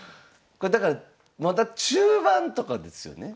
だからまだ中盤とかですよね？